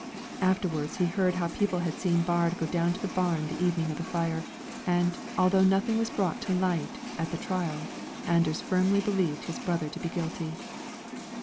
Afterwards he heard how people had seen Baard go down to the barn the evening of the fire, and, although nothing was brought to light at the trial, Anders firmly believed his brother to be guilty.